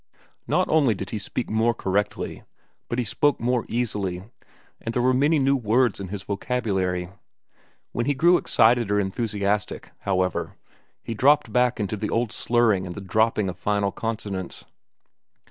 Not only did he speak more correctly, but he spoke more easily, and there were many new words in his vocabulary. When he grew excited or enthusiastic, however, he dropped back into the old slurring and the dropping of final consonants.